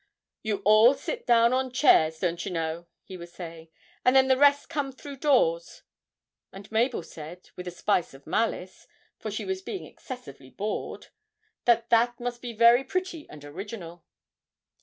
'You all sit down on chairs, don't you know,' he was saying, 'and then the rest come through doors;' and Mabel said, with a spice of malice (for she was being excessively bored), that that must be very pretty and original.